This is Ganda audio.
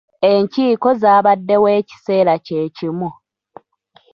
Enkiiko zaabaddewo ekiseera kye kimu.